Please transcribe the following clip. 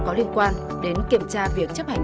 có liên quan đến kiểm tra việc chấp hành